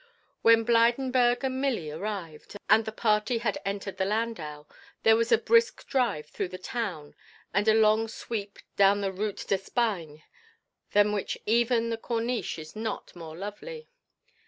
When Blydenburg and Milly arrived, and the party had entered the landau, there was a brisk drive through the town and a long sweep down the Route d'Espagne than which even the Corniche is not more lovely.